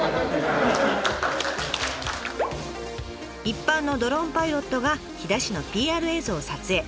一般のドローンパイロットが飛騨市のＰＲ映像を撮影。